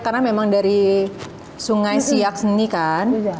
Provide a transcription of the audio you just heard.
karena memang dari sungai siak seni kan